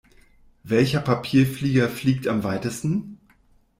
Welcher Papierflieger fliegt am weitesten?